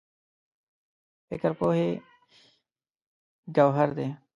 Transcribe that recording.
فکر پوهې ګوهر دی.